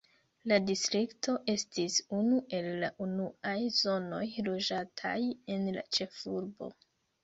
La distrikto estis unu el la unuaj zonoj loĝataj en la ĉefurbo.